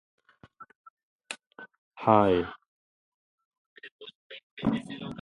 Under her guidance the theatre also toured the country and visited Gothenburg several times.